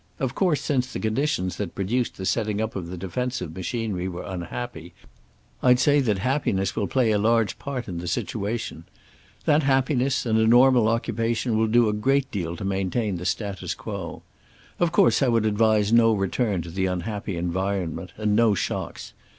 Of course since the conditions that produced the setting up of the defensive machinery were unhappy, I'd say that happiness will play a large part in the situation. That happiness and a normal occupation will do a great deal to maintain the status quo. Of course I would advise no return to the unhappy environment, and no shocks.